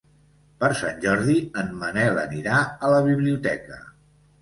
Per Sant Jordi en Manel anirà a la biblioteca.